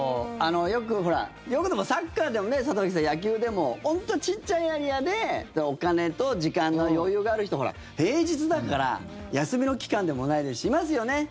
よくサッカーでもね、里崎さん、野球でも本当にちっちゃいエリアでお金と時間の余裕がある人平日だから休みの期間でもないですしいますよね